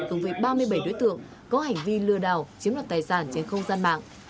cùng với ba mươi bảy đối tượng có hành vi lừa đảo chiếm đoạt tài sản trên không gian mạng